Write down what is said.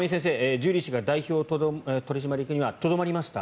ジュリー氏が代表取締役にはとどまりました。